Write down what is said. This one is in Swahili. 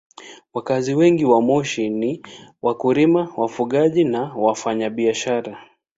Wakazi wengi wa Moshi ni wakulima, wafugaji na wafanyabiashara.